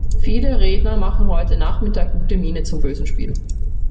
Viele Redner machen heute Nachmittag gute Miene zum bösen Spiel.